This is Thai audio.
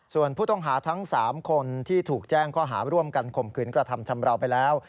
ส่วนผู้ต้องหาทั้ง๓คนที่ถูกแจ้งข้อหาร่วมกันข่มขืนกระทำชำราวไปแล้ว